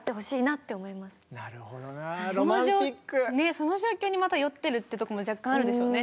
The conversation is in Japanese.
その状況にまた酔ってるってとこも若干あるでしょうね。